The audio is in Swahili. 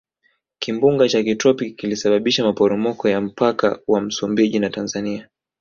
kimbunga cha kitropiki kilisababisha maporomoko ya mpaka wa msumbiji na tanzania